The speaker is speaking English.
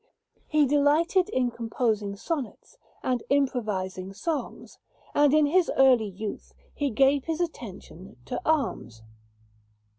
He delighted in composing sonnets and improvising songs, and in his early youth he gave his attention to arms.